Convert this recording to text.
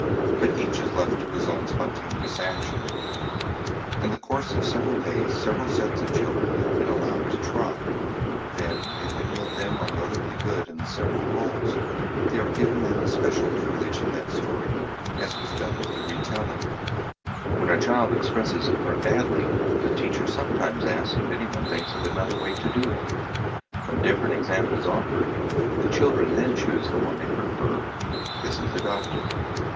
But each is left to his spontaneous action. [Illustration: "Great rats, small rats, lean rats, brawny rats ... followed the Piper for their lives."] In the course of several days several sets of children have been allowed to try; then if any of them are notably good in the several rôles, they are given an especial privilege in that story, as was done with the retelling. When a child expresses a part badly, the teacher sometimes asks if anyone thinks of another way to do it; from different examples offered, the children then choose the one they prefer; this is adopted.